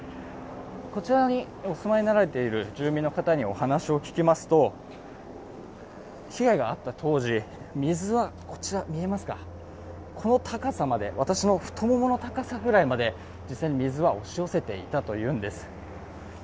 こちらにお住まいになられている住民の方にお話を聞きますと被害があった当時、水はこの高さまで、私の太ももの高さぐらいまで、実際水は押し寄せていたというんです。